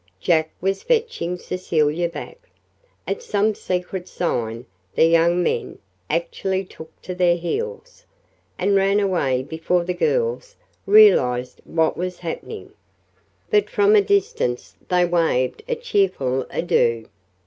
Jack was fetching Cecilia back. At some secret sign the young men actually took to their heels, and ran away before the girls realized what was happening. But from a distance they waved a cheerful adieu.